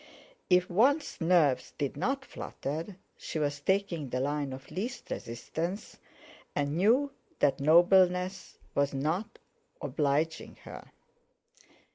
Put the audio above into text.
If one's nerves did not flutter, she was taking the line of least resistance, and knew that nobleness was not obliging her.